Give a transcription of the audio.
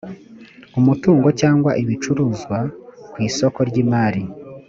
umutungo cyangwa ibicuruzwa ku isoko ry imari